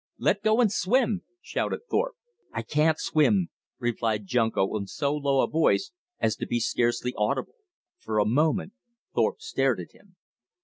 "Let go and swim!" shouted Thorpe. "I can't swim," replied Junko in so low a voice as to be scarcely audible. For a moment Thorpe stared at him.